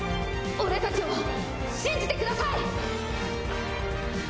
俺たちを信じてください！